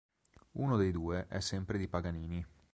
Uno dei due è sempre di Paganini.